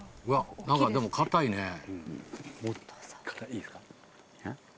いいですか？